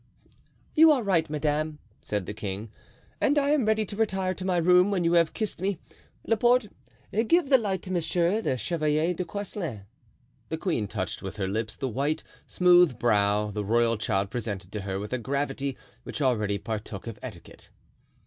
"You are right, madame," said the king, "and I am ready to retire to my room when you have kissed me. Laporte, give the light to Monsieur the Chevalier de Coislin." The queen touched with her lips the white, smooth brow the royal child presented to her with a gravity which already partook of etiquette.